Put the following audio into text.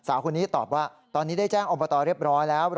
สาวคนนี้ตอบว่าตอนนี้ได้แจ้งอบตเรียบร้อยแล้ว